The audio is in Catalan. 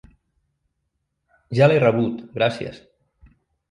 Ja l'he rebut, gracies.